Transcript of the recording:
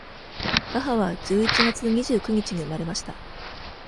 母は十一月二十九日に生まれました。